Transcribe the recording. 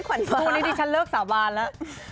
คุณได้ดีฉันเลิกสาบานแล้ว